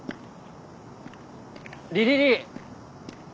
リリリー。